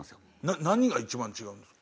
何が一番違うんですか？